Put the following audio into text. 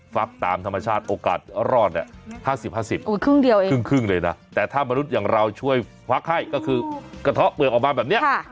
ฟักตามธรรมชาติโอกาสรอดเนี่ย๕๐๕๐ครึ่งเดียวเองครึ่งเลยนะแต่ถ้ามนุษย์อย่างเราช่วยฟักให้ก็คือกระเทาะเปลือกออกมาแบบนี้